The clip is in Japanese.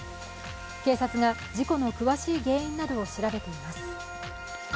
警察が事故の詳しい原因などを調べています。